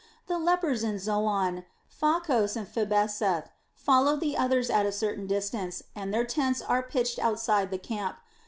The lepers in Zoan, Pha kos and Phibeseth followed the others at a certain distance, and their tents are pitched outside the camp.